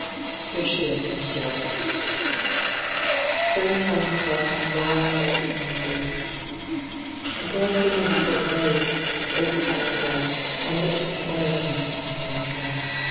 Here she opened a door. Zoe found herself in a long, low ceiled room. hyGoo^lc ENTRAPPED 263 The broad beams told of f^e aa well as the oak panelled walls, on which hung oil paintings of long ago.